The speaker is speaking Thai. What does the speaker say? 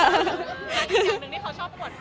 มันเป็นปัญหาจัดการอะไรครับ